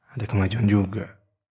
ada kemajuan juga